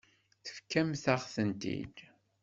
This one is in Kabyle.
Tefkamt-aɣ-tent-id.